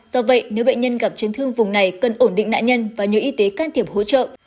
do vậy nếu bệnh nhân gặp chấn thương vùng này cần ổn định nạn nhân và nhờ y tế can thiệp hỗ trợ